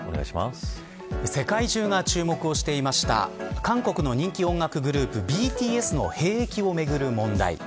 世界中が注目していた韓国の人気音楽グループＢＴＳの兵役をめぐる問題。